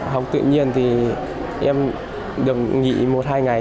học tự nhiên thì em được nghỉ một hai ngày